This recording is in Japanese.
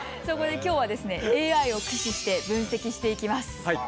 そこで今日はですねＡＩを駆使して分析していきます。